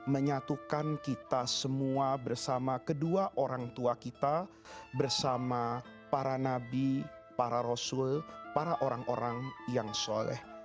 menyatukan kita semua bersama kedua orang tua kita bersama para nabi para rasul para orang orang yang soleh